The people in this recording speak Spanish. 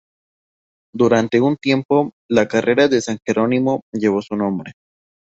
Durante un tiempo, la carrera de san Jerónimo llevó su nombre.